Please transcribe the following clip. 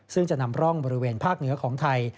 ซึ่งจะนำร่องบริเวณภาคเหนือของไทย